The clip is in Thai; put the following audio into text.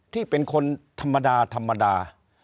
ที่เป็นคนธรรมดา